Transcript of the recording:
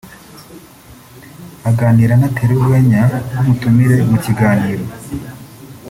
aganira anatera urwenya n’umutumire mu kiganiro